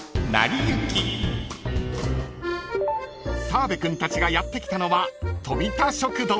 ［澤部君たちがやって来たのは］